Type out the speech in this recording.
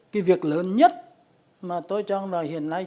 cái việc lớn nhất mà tôi cho rằng là hiện nay